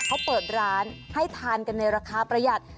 เขาเปิดร้านให้ทานกันในราคาประหยัด